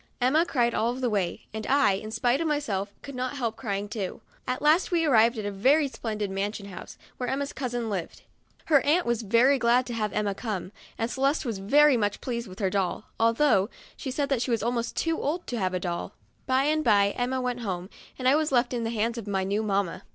Emma cried all the way, and I, in spite of myself, could not help crying too. At last we arrived at a very splendid mansion house, where Emma's cousin lived. Her aunt was very glad to have Emma come, and Celeste was very much pleased with her doll, although she said she was almost too old to have a doll. By and by Emma went home, and I was left in the hands of my new mamma.